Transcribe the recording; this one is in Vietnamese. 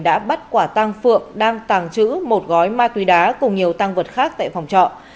đã bắt quả tăng phượng đang tàng trữ một gói ma túy đá cùng nhiều tăng vật khác tại phòng trọ